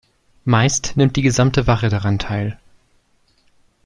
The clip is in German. Meist nimmt die gesamte Wache daran teil.